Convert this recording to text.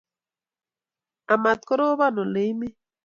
Amat korobon ole imi.